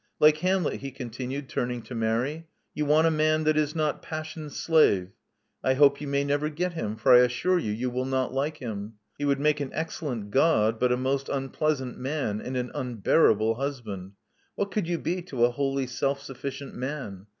Like Hamlet," he* continued, turning to Mary, you want a man that is not Passion's slave. I hope you may never get him ; for I assure you you will not like him. He would make an excellent God, but a most unpleasant man, and an unbearable husband. What could you be to a wholly self sufficient man?